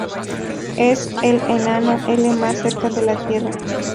Es el enano L más cerca a la tierra.